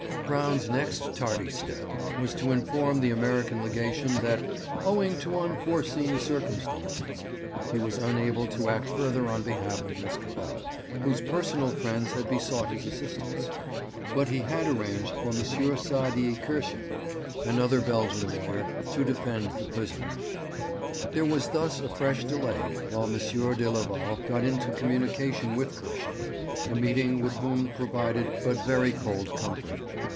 Braun's next tardy step was to inform the American Legation that 'owing to unforeseen circumstances' he was unable to act further on behalf of Miss Cavell, whose personal friends had besought his assistance; but he had arranged for M. Sadi Kirschen, another Belgian lawyer, to defend the prisoner. There was thus a fresh delay while M. de Leval got into communication with Kirschen, a meeting with whom provided but very cold comfort.